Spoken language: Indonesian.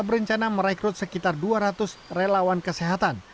berencana merekrut sekitar dua ratus relawan kesehatan